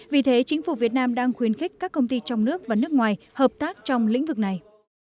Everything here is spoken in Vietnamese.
vì thế chính phủ việt nam đang khuyến khích các công ty trong nước và nước ngoài hợp tác trong lĩnh vực này